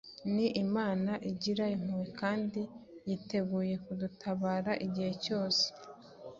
Ni Imana igira impuhwe kandi yiteguye kudutabara Igihe cyose